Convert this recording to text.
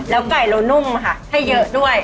ไก่เรานุ่มค่ะให้เยอะด้วย